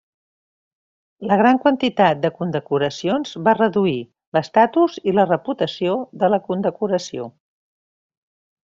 La gran quantitat de condecoracions va reduir l'estatus i la reputació de la condecoració.